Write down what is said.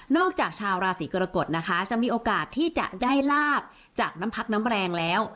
จากชาวราศีกรกฎนะคะจะมีโอกาสที่จะได้ลาบจากน้ำพักน้ำแรงแล้ว